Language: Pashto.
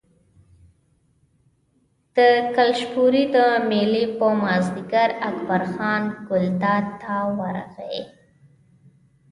د کلشپورې د مېلې په مازدیګر اکبرجان ګلداد ته ورغی.